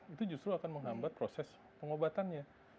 itu justru akan menghambat proses pengobatannya